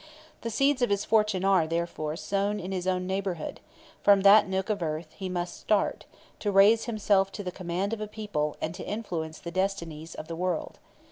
The seeds of his fortune are, therefore, sown in his own neighborhood; from that nook of earth he must start, to raise himself to the command of a people and to influence the destinies of the world.